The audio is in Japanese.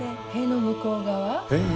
塀の向こう側。